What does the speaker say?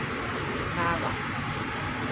หน้าหลัก